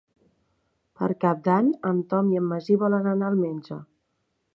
Per Cap d'Any en Tom i en Magí volen anar al metge.